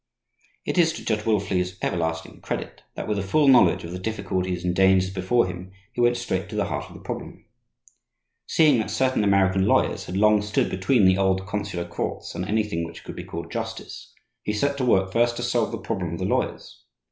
It is to Judge Wilfley's everlasting credit that, with a full knowledge of the difficulties and dangers before him, he went straight to the heart of the problem. Seeing that certain American lawyers had long stood between the old consular courts and anything which could be called justice, he set to work first to solve the problem of the lawyers.